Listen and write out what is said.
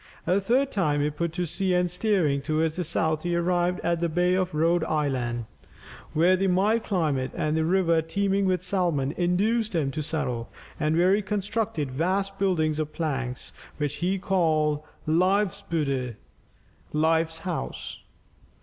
A third time he put to sea and steering towards the south he arrived at the Bay of Rhode Island, where the mild climate and the river teeming with salmon induced him to settle, and where he constructed vast buildings of planks, which he called Leifsbudir (Leif's house).